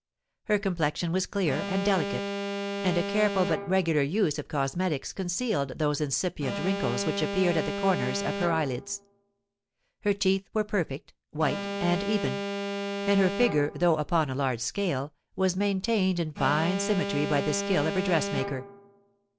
Her complexion was clear and delicate; and a careful but regular use of cosmetics concealed those incipient wrinkles which appeared at the corners of the eye lids. Her teeth were perfect, white, and even; and her figure, though upon a large scale, was maintained in fine symmetry by the skill of her dress maker.